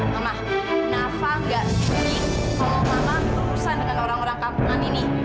mama nafa gak suka kalau mama berusaha dengan orang orang kampungan ini